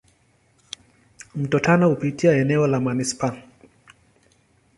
Mto Tana hupitia eneo la manispaa.